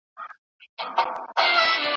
تولید په هېواد کي ثبات راوړي.